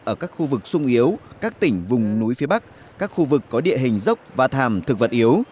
ở các khu vực sung yếu các tỉnh vùng núi phía bắc các khu vực có địa hình dốc và thàm thực vật yếu